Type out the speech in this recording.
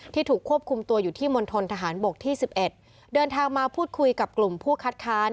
ถูกควบคุมตัวอยู่ที่มณฑนทหารบกที่๑๑เดินทางมาพูดคุยกับกลุ่มผู้คัดค้าน